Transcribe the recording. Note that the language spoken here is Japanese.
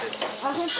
本当？